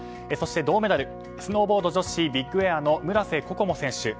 そして銅メダルスノーボード女子ビッグエアの村瀬心椛選手。